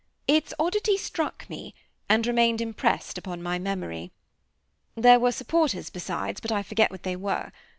Its oddity struck me, and remained impressed upon my memory. There were supporters besides, but I forget what they were.